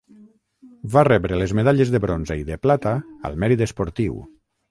Va rebre les medalles de bronze i de plata al mèrit esportiu.